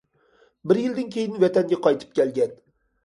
بىر يىلدىن كېيىن ۋەتەنگە قايتىپ كەلگەن.